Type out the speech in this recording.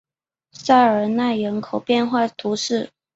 塞尔奈人口变化图示